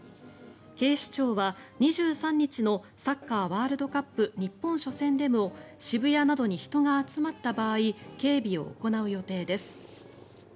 警視庁は２３日のサッカーワールドカップ日本初戦でも渋谷などに人が集まった場合警備を行う予定です。